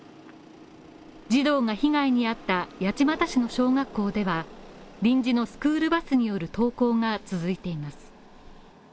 児童が被害にあった八街市の小学校では、臨時のスクールバスによる登校が続いています。